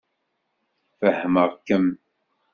Fehmeɣ-kem.